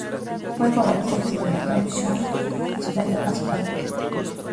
Fue favorecido y se convirtió en Shah y sucedió a su padre.